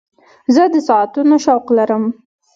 زه د ساعتونو شوق لرم.